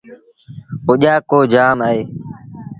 اوڄآڪو جآم اهي۔